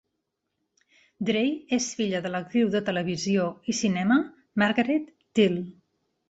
Drey és filla de l'actriu de televisió i cinema Margaret Teele.